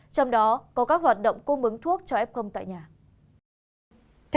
trong đó có các hoạt động cung ứng thuốc cho f tại nhà